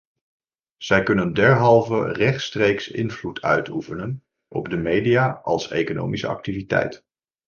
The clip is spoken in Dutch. Zij kunnen derhalve rechtstreeks invloed uitoefenen op de media als economische activiteit.